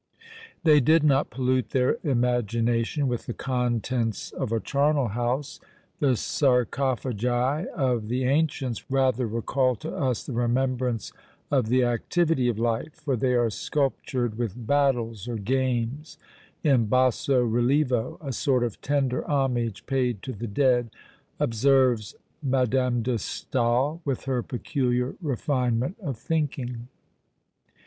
They did not pollute their imagination with the contents of a charnel house. The sarcophagi of the ancients rather recall to us the remembrance of the activity of life; for they are sculptured with battles or games, in basso relievo; a sort of tender homage paid to the dead, observes Mad. de Staël, with her peculiar refinement of thinking.